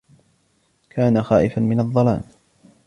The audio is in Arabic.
كان خائفا من الظلام.